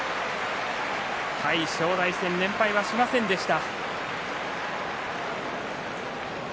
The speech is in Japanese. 対正代戦、連敗はしませんでした。